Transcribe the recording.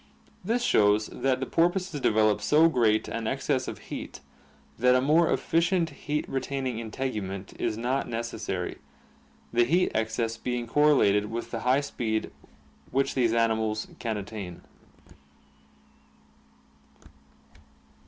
This shows that the porpoises develop so great an excess of heat that a more efficient heat retaining integument is not necessary; the heat excess being correlated with the high speed which these animals can attain (see page 335).